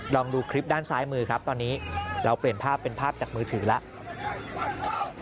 ลองดูคลิปด้านซ้ายมือครับตอนนี้เราเปลี่ยนภาพเป็นภาพจากมือถือแล้ว